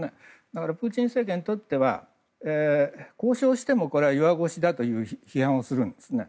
だからプーチン政権にとっては交渉しても弱腰だという批判をするんですね。